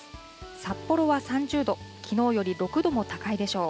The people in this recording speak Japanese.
札幌は３０度、きのうより６度も高いでしょう。